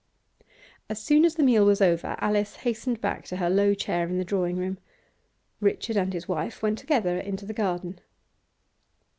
As Soon as the meal was over Alice hastened back to her low chair in the drawing room. Richard and his wife went together into the garden.